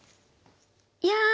いや。